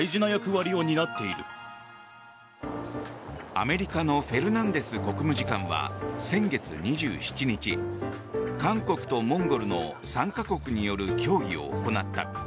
アメリカのフェルナンデス国務次官は先月２７日、韓国とモンゴルの３か国による協議を行った。